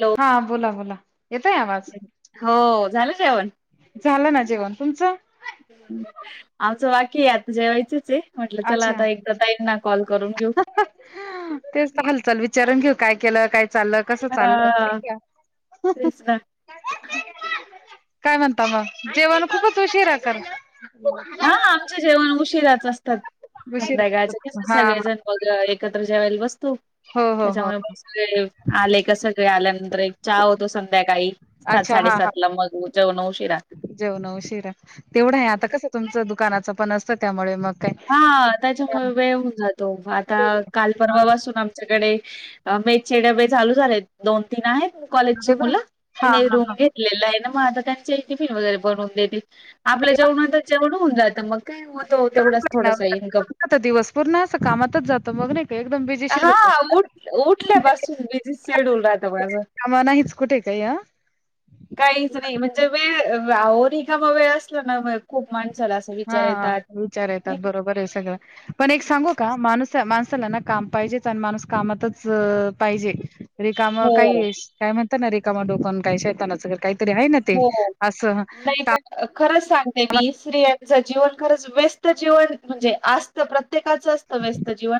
Hello हा बोला बोला येतय आवाज हो झालं जेवण झालं ना जेवण तुमचं आमचं वाकी आता जेवायचच म्हटलं चला अच्छा आता एक सताईंना कॉल करून घेऊ तेच पाहाल चाल विचारून घेऊ काय केलं काय चाल कसं हा चाललं तेच ना काय म्हणता मग जेवण खूपच उशीरा कर हा आमचे जेवण उशिराच असतात उशिरा संध्याकाळचे कसे हा हा सगळेजण वगैे एकत्र जेवायला वस्तू हो हो हो त्याच्यामुळे आले का सगळे आल्यानंतर एक चहा होतो संध्याकाळी सात अच्छा हा साडेसात हा ला मग जेवण उशिरा जेवन उशिरा तेवढा आहे आता कस तुमचं दुकानाचं पण असतं त्यामुळे मग काय हा त्याच्यामुळे अरे वेळ होऊन जातो आता काल परवापासून त्याच्याकडे मेस डब्बे चालू झालेत दोन तीन आहेत कॉलेजचे वा मुलं हा त्यांनी हा हा रूम घेत अं माझ त्यांचे टिफिन वगैरे बनवून देते आपल्या अरे वा जेवण तर जेवढ होऊ जातं मग काय होतो तेवढाच थोडासा इन्कम आता दिवस पूर्ण अस कामातच जात मग नाही का एकदम बिझी शेड होत जि शेडूल राहता बाझं आम्हा नाहीच कुठे काय या काहीच नाही म्हणजे वेळ ओ रीकामा वेळ असला ना खूप माणसाला विचार येत ात बर स पण एक स का माण माणसाला ना काम पाहिजे माणूस कामातच पाहिजे रिकाम हो, काही काय म्हणतात ना रिकामा डोकून काही शेततानाचर काहीतरी आहे ना ते हो असं नाही पण खरंच सांगते मी स्त्रियांचं जीवन खरंच व्यस्त जीवन म्हणजे प्रत्येकाच असतं व्यस्त जीवन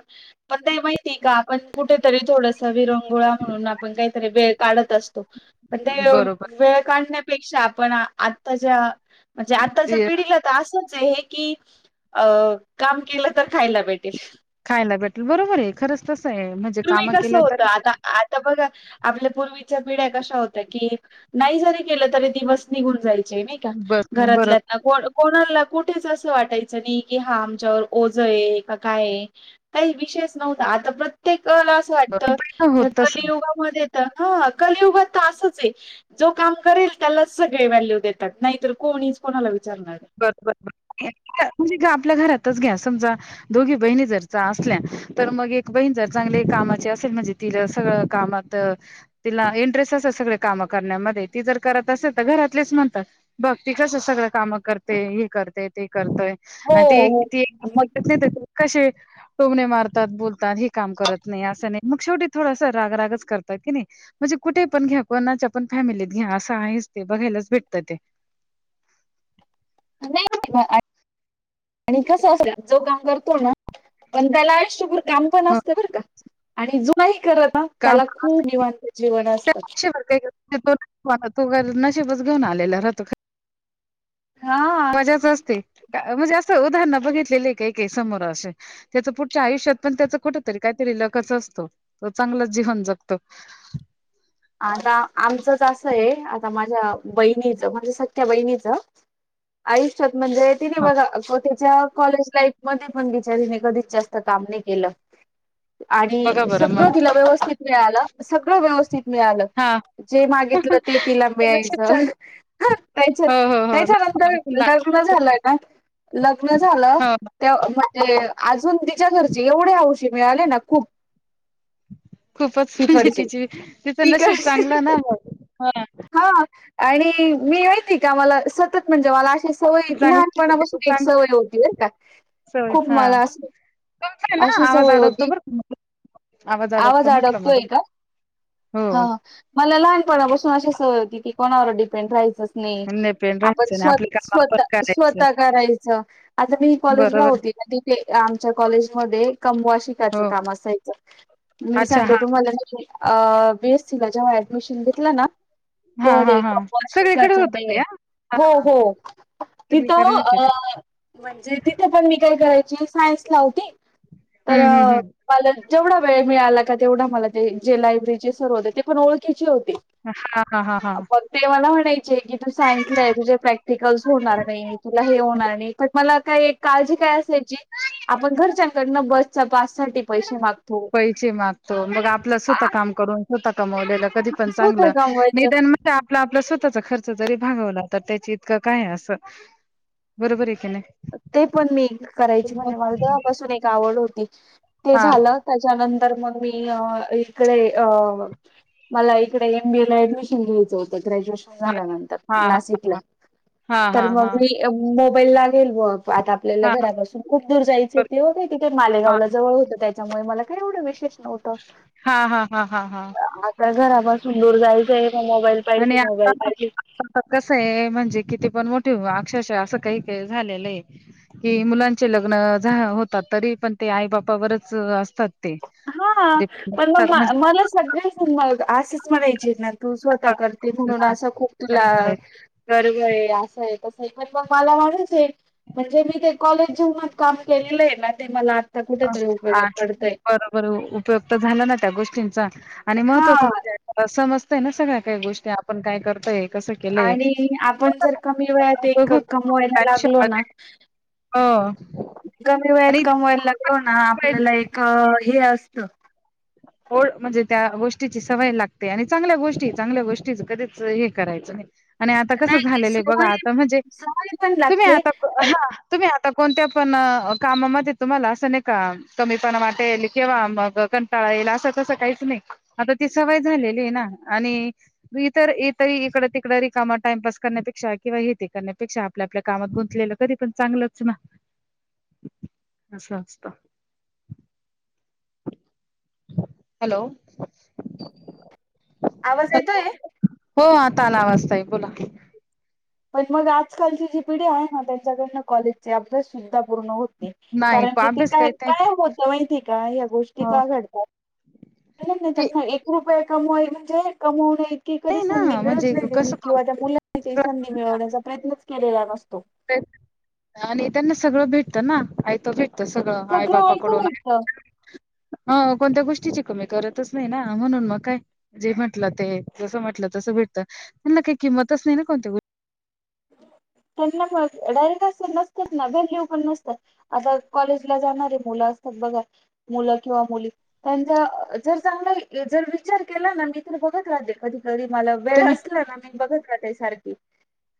पण ते माहिती का पण कुठेतरी थोडस विरंगोळा म्हणून आपण काहीतरी वेळ काढत असतो म्हण ते बरोबर वेळ काढण्यापेक्षा आपण आताच्या म्हणजे आताच्या ते पिढीला असच आहे की अ काम केलं तर खायला भेटेल खायला भेटेल बरोबर आहे खरंच तसं आहे म्हणजे पूर्वी काम कसं केलं तर होतं आता आता बघा आपल्या पूर्वीच्या पिढ्या कशा होत्या की नाही जरी केलं तरी दिवस निघून जायचे नाही का बर बरोबर घरातल्या को कोणाला कुठेच असं वाटायचं नाही कि हा आमच्यावर ओझं आहे का काय आहे काही विशेष नव्हता आता प्रत्येक कला असं वाटतं होत तसं कलयुगा मध्ये तर ह कलयुगात तासच आहे जो काम करेल त्यालाच सगळे व्हॅल्यू देतात नाहीतर कोणीच कोणाला विचारणार बरो बर म्हणजे आपल्या घरातच घ्या समजा दोघी बहिणी जर असल्या तर मग एक बहीण जर चांगली कामाची असेल म्हणजे त सगळं कामात तिला इंटरेस्ट असे सगळे कामं करण्यामध्ये ती जर करत असेल तर घरातलेच म्हणतात बघ त कसं सगळं काम करत ते हे करतेय ते करतय आणि ते हो, हो. मग एक त क टोमणे मारतात बोलतात हे काम करत नाही असं नाही मग शेवटी थोडास रागरागच करतात की नाही म्हणजे कुठे पण घ्या कोणाच्या पण फॅमिलीत घ्या असं आहेच ते बघायलाच भेटतं ते नाही आणि कसं असल जो काम करतो ना पण त्याला आयुष्यक काम पण हो, असत का आणि जुनाही करत ना त्याला खूप निवांतित जीवन असतात वर तो नशबच घेऊन आलेला रातो हा मजाच असते म्हणजे असं उदाहरण बघितलेले काही काही समोर असे त्याच पुढच्या आयुष्यात पण त्याच कुठेतरी काहीतरी लखच असतो तो चांगला जीवन जगतो आता आमचंच असं आहे आता माझ्या बहिणीचं म्हणजे सख्या बहिणीचं आयुष्यात म्हणजे ति हा बघा तिच्या कॉलेज लाईफ मध्ये पण बिचारीने कधीच जास्त काम नाही केलं आणि बघा बरं मग सगळं तिला व्यवस्थित मिळालं सगळं व्यवस्थित मिळालं हा. जे मागितलं ते तिला मिळायच नशीब चांगलं त्याच्या हो हो हो त्याच्यानंतर लहानपणापासून लग्न लागलेली असते झालंय ना लग्न झालं हो. त्या म्हणजे अजून तिच्या घरचे एवढे अऔशी मिळाले ना खूप खूपच म्हणजे तिकडचे तिची तिचं ठीक नशीब आहे चांगला ना ह हा आणि मी यती का मला सतत म्हणजे मला अे सवय चांगलं तिचं तिचं लहानपणापासून एक चांगलं सवय होती का सवय खूप हा मला असं तुमचा आहे ना अशी आवाज सवय अडकतो होती बरं का मधून. अडकतो आवाज म्हटलं अडकतोय मधून का हो. हा मला लहानपणापासून अ स होती की कोणावर डिपेंड राहायचं नाही पेन आपण राहायचं नाही स्व आपले काम आपण स्वतः करायचं स्वतः करायचं आता मी कॉलेजला बरोबर होते तिथे आमच्या कॉलेजमध्येध्ये कमवाशिकाचं हो काम असायचं मी अच्छा सांगते हा तुम्हाला बीएससी ला जेव्हा ऍडमिशन घेतलं ना हा हा हा सगळीकडे शिकाच होत ते हा हो हा हो तिथं सगळीकडे होते अ ते म्हणजे तिथे पण मी काय करायची सायन्स ला होती तर हं, हं, हं. मला जेवढा वेळ मिळाला का तेवढा मला ते जे लायब्ररीचे सर्व होते ते पण ओळखीचे होती हा हा हा हा ते मला वाटायचं की तू सायन्सला आहे तुझे प्रॅक्टिकलस होणार नाही तुला हे होणार नाही पण मला काय काळजी काय असल्याची आपण घरच्यांकडन बस पााससाठी पैसे मागतो मग आपलं स्वतः काम करून स्वतः कमवलेलं कधी पण स्वतः चांगलं कमवायचं निद आपला आपला स्वतःचा खर्च जरी भागवला तर त्याची इतकं काय असं बरोबर आहे का नाही ते पण मी करायची म्हणजे मला तेव्हापासून एक आवड होती ते हां, झालं त्याच्यानंतर मग मी अ इकडे अ मला इकडे एम बीए डमिशन घ्यायचं होत ग्रॅज्युएशन हां, झाल्या नंतर हां, नाशिकला हां, हां, तर हां, हां, हां, हां, मग हां, म मोबाईल लागेल व आता आपल्याला हां, घरा बसून खूप दूर जायचे बरोबर. ते होते की ते हां, मालेगावला जवळ होतं त्याच्यामुळे मला काय एवढं विशेष नव्हतं हा हा हा हा हा घरापासून दूर जायचं आहे का मोबाईल आणि पाहिजे आता मोबाईल पाहिजे आता कस आहे म्हणजे किती पण मोठे अक्षश असं काही काही झालेलं आहे कि मुलांचे लग्न झा होतात तरी पण ते आई बापावरच असतात ते. हा डिपेंड पण असतात मग म्हणजे मला सगळे मग असंच म्हणायचे ना तू स्वतः करते म्हणून असं खूप काही तुला करायचं गर्व आहे असं आहे तसं आहे पण मग मला वाटच आहे म्हणजे मी ते कॉलेज जेवनाात काम केलेलं आहे ना ते मला आता कुठेतरी उपयोगात पडतय उपयुक् झाला ना त्या गोष्टींचा आणि हा महत्त्वाच म्हणजे सम ना सगळ्या काही गोष्टी आपण काय करतय आणि आपण जर कमी वयात एक उपयोग कमवायला लागलो ना ह आणि ला लागल ना आपल्याला एक हे असतं ड म्हणजे त्या गोष्टीची सवय लागते आणि चांगल्या गोष्टी चांगल्या गोष्टी कधी हे करायचं नाही आणि आता कसं नाही झालेलं आहे बघा सवय आता म्हणजे सवय पण तुम्ही लागते आता ह पण तुम्ही आता कोणत्या पण कामामध्ये तुम्हाला असं नाही का कमी पणा वाट केेवा मग टळायला असं तसं काहीच नाही आता ती सवय झालेली आहे ना आणि इतर इ तरी इकड तिकडं रिकमा टाइमपास करण्यापेक्षा किंवा हेती करण्यापेक्षा आपल्या आपल्या कामात गुंतलेलं कधी पण चांगलंच ना ह अास्त हॅलो आवाज येतोय हो आता आला वाजताय बोला पण मग आजकालची जी पिढी आहे ना त्यांच्याकडनं कॉलेज चे अभ्यास सुद्धा पूर्ण होत नाही कारण की ते अभ्यास काय करतायत. काय होत माहिती का ह्या गोष्टी हो का घडतात ते नाही एक रुपया कमावा म्हणज कमावले की कधी नाही संधी ना मिळूच म्हणजे नाही गेली कसं कम- किंवा त्या मुलांनी ते संधी मिळवण्याचा प्रयत्नच केलेला नसतो नेत्यांना सगळं भेटतं ना आय तो भेटत सगळं आई ऐकू बापाकडून ऐकतं अ कोणत्या गोष्टीची कमी करतच नाही ना म्हणून मग काय जे म्हटलं ते जसं म्हटलं तसं भेटत त्यांना काही किंमतच नाही ना कोणतेष्ट त्यांना डायरेक्ट अस नसतात ना व्हल्यू पण नसतात आता कॉलेज ला जाणार आहे मुलं असतात बघा मुलं किंवा मुली त्यांचा जर चांगला जर विचार केला ना मी तर बघत राे कधी कधी मला वेळ तुम्ही असला ना मी बघत रा त्या सारखी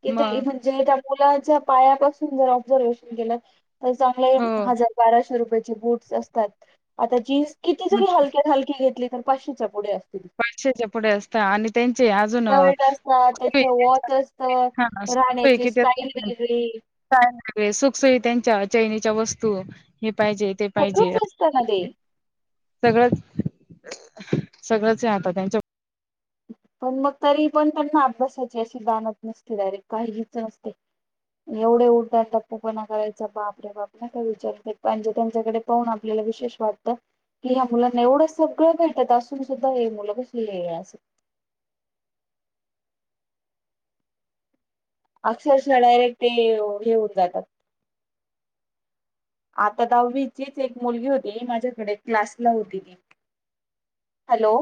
कि ते मग म्हणजे त्या मुलाच्या पायापासून जर ऑब्झर्वेशन केलं. तर चांगले हो हजार बाराशे रुपयाची बूटस असतात. आता जीज किती मग जरी हलक्यात हलकी घेतली तर पाचशेच्या पुढे असत. वारशाच्या पुढे असत आणि त्यांचे अजून शर्ट असतात पथवी त्याचं वॉच असतं अस राहण्याची किती. स्टाईल वेगळी काय वगे सुखसुयी त्यांच्या चैनीच्या वस्तू हे पाहिजेत. ते पाहिजे सगळंच असतं ना ते. सगळं सगळं. त्यांच्या. पण मग तरी पण त्यांना अभ्यासाची अशी जाणत नसते डायरेक्ट काळजीच नसते. एवढे उठतात तप्पूपणा करायचा बापऱ्या बाप ना काय विचारतणजे त्यांच्याकडे. पान आपल्याला विशेष वाटतं. की ह्या मुलांना एवढं सगळं भेटत असून सुद्धा हे मुलं कस अस. अक्षरश ना डायरेक्ट ते हे होत जातात. आता दहावीचीच एक मुलगी होती ही माझ्याकडे क्लासला होती ती. हॅलो.